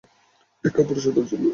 এটা কাপুরুষতার চিহ্ন।